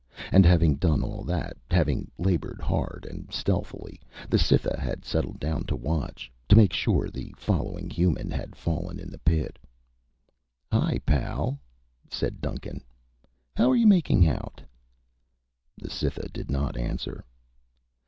And having done all that, having labored hard and stealthily, the Cytha had settled down to watch, to make sure the following human had fallen in the pit. "Hi, pal," said Duncan. "How are you making out?" The Cytha did not answer.